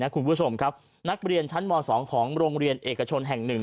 คุณผู้ชมครับนักเรียนชั้นม๒ของโรงเรียนเอกชนแห่ง๑